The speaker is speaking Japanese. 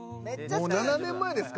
もう７年前ですか？